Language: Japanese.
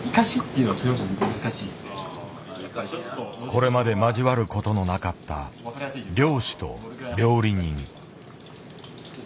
これまで交わることのなかった漁師と料理人。